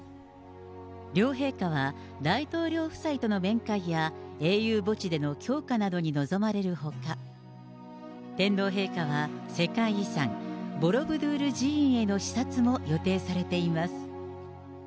両陛下は大統領夫妻との面会や、英雄墓地での供花などに臨まれるほか、天皇陛下は、世界遺産、ボロブドゥール寺院への視察も予定されています。